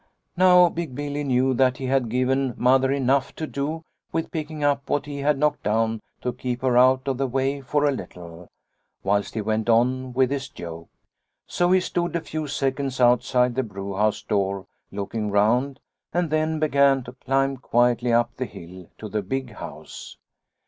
" Now Big Billy knew that he had given Mother enough to do with picking up what he had knocked down to keep her out of the way for a little, whilst he went on with his joke. So 68 Liliecrona's Home he stood a few seconds outside the brewhouse door looking round, and then began to climb quietly up the hill to the big house.